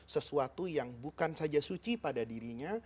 sesuatu yang bukan saja suci pada dirinya